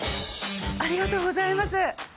ありがとうございます。